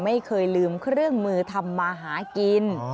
ไม่เคยลืมเครื่องมือทำมาหากิน